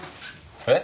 えっ？